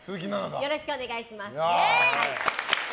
よろしくお願いします。